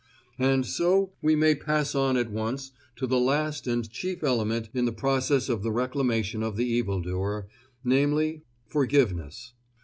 And so we may pass on at once to the last and chief element in the process of the reclamation of the evildoer, namely, forgiveness.